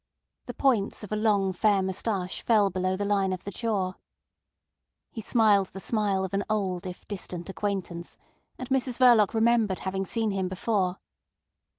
The points of a long fair moustache fell below the line of the jaw. He smiled the smile of an old if distant acquaintance, and Mrs Verloc remembered having seen him before.